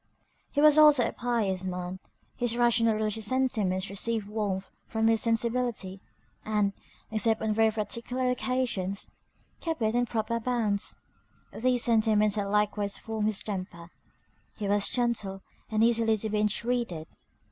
He was also a pious man; his rational religious sentiments received warmth from his sensibility; and, except on very particular occasions, kept it in proper bounds; these sentiments had likewise formed his temper; he was gentle, and easily to be intreated.